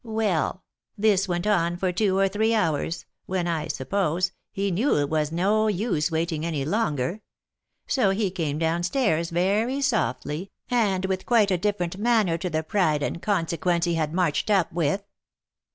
Well, this went on for two or three hours, when, I suppose, he knew it was no use waiting any longer; so he came down stairs very softly, and with quite a different manner to the pride and consequence he had marched up with.